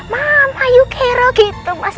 mama yuk hero gitu mas